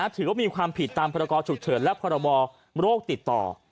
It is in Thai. ถือว่ามีความผิดตามพรกรฉุกเฉินและพรบโรคติดต่อ